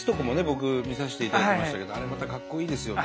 僕見させていただきましたけどあれまたかっこいいですよね。